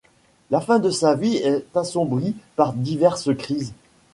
La fin de sa vie est assombrie par diverses crises.